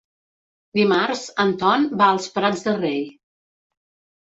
Dimarts en Ton va als Prats de Rei.